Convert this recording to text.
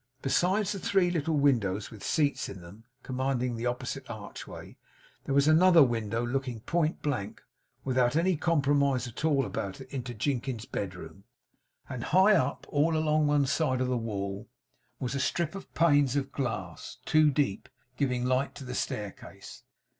Besides the three little windows, with seats in them, commanding the opposite archway, there was another window looking point blank, without any compromise at all about it into Jinkins's bedroom; and high up, all along one side of the wall was a strip of panes of glass, two deep, giving light to the staircase.